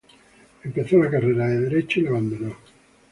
Empezó la carrera de Derecho y la abandonó.